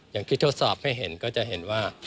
อย่างที่ทดสอบให้เห็นก็จะเห็นว่า